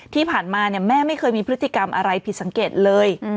ที่ผ่านมาแม่ไม่เคยมีพฤติกรรมอะไรผิดสังเกตเลย